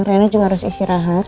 rena juga harus istirahat